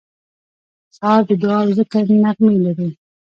سهار د دعا او ذکر نغمې لري.